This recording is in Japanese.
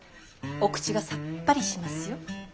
お口がさっぱりしますよ。